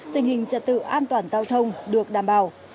tình hình trật tự an toàn giao thông được đảm bảo